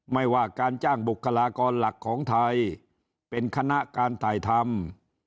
ไม่ว่าการจ้างบุคลากรหลักของไทยเป็นคณะการถ่ายทำ